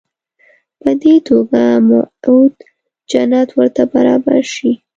په دې توګه موعود جنت ورته برابر شي.